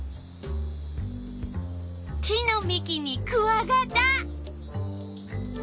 木のみきにクワガタ。